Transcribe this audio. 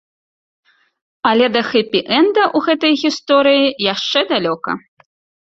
Але да хэпі-энда у гэтай гісторыі яшчэ далёка.